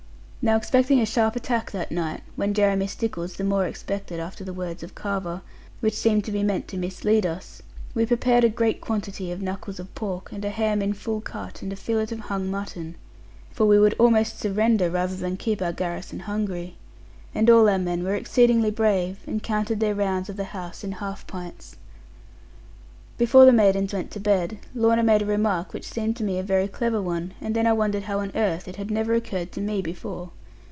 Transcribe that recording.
Now expecting a sharp attack that night when Jeremy Stickles the more expected, after the words of Carver, which seemed to be meant to mislead us we prepared a great quantity of knuckles of pork, and a ham in full cut, and a fillet of hung mutton. For we would almost surrender rather than keep our garrison hungry. And all our men were exceedingly brave; and counted their rounds of the house in half pints. Before the maidens went to bed, Lorna made a remark which seemed to me a very clever one, and then I wondered how on earth it had never occurred to me before.